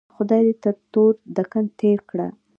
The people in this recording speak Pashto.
خدای دې تر تور دکن تېر کړه.